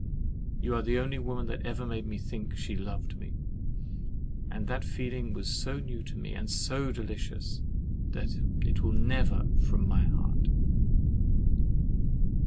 You are the only woman that ever made me think she loved me, and that feeling was so new to me, and so delicious, that it "will never from my heart."